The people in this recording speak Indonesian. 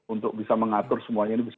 untuk bisa mengatur semuanya ini bisa